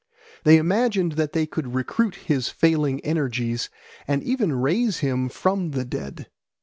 They imagined that they could recruit his failing energies and even raise him from the dead.